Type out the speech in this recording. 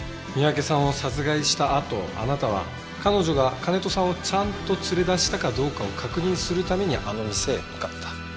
三宅さんを殺害したあとあなたは彼女が金戸さんをちゃんと連れ出したかどうかを確認するためにあの店へ向かった。